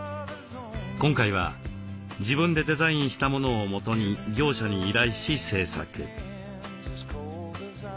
今回は自分でデザインしたものをもとに業者に依頼し製作。